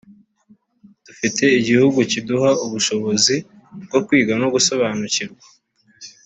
Dufite igihugu kiduha ubushobozi bwo kwiga no gusobanukirwa